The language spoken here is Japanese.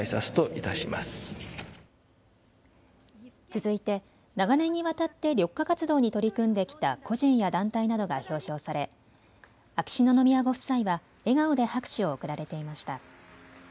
続いて長年にわたって緑化活動に取り組んできた個人や団体などが表彰され秋篠宮ご夫妻は笑顔で拍手を送られていました。